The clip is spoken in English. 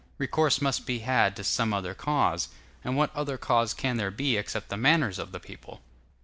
Recourse must be had to some other cause; and what other cause can there be except the manners of the people?